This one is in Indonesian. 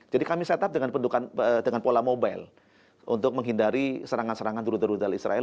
jadi kami setup dengan pola mobile untuk menghindari serangan serangan turut turut dari israel